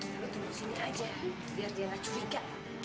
kalo tunggu sini aja biar dia racuni kita